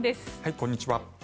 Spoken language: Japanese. こんにちは。